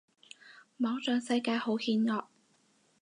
網上世界好險惡